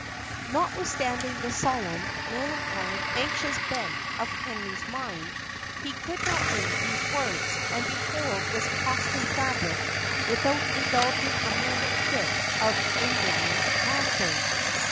Notwithstanding the solemn, melancholy, anxious bent of Henry's mind, he could not read these words, and behold this costly fabric, without indulging a momentary fit of indignant laughter.